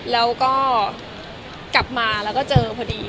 แล้วก็กลับมาเหรอพอดี